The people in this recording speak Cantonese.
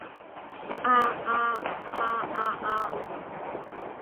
啊啊啊啊啊